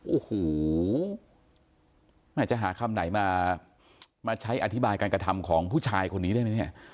โอ้โหแม่จะหาคำไหนมาใช้อธิบายการกระทำของผู้ชายคนนี้ได้ไหมเนี่ย